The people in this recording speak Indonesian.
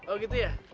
oh gitu ya